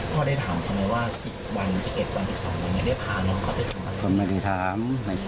พ่อไรต่ำว่า๑๐วัน๑๑วัน๑๒วันไปกระทำอนารับได้ทั้งหมด